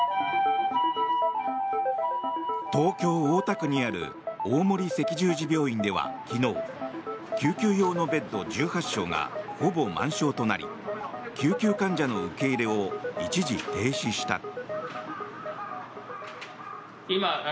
東京・大田区にある大森赤十字病院では昨日救急用のベッド１８床がほぼ満床となり救急患者の受け入れを一時停止した。